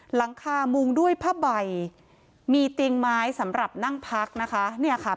หลังคามุงด้วยผ้าใบมีเตียงไม้สำหรับนั่งพักนะคะเนี่ยค่ะ